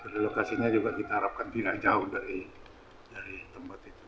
relokasinya juga kita harapkan tidak jauh dari tempat itu